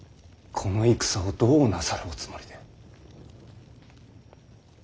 この戦をどうなさるおつもりで？